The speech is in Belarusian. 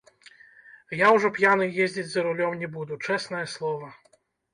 Я ўжо п'яны ездзіць за рулём не буду, чэснае слова.